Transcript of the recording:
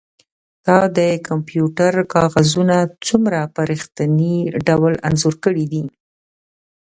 تا د کمپیوټر کاغذونه څومره په ریښتیني ډول انځور کړي دي